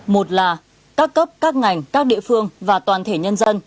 một là các cấp các ngành các địa phương và toàn thể nhân dân